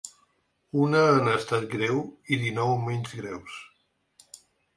Una en estat greu i dinou menys greus.